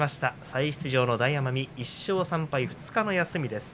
再出場の大奄美１勝３敗２日の休みです。